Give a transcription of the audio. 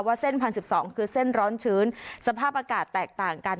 เส้นพันสิบสองคือเส้นร้อนชื้นสภาพอากาศแตกต่างกัน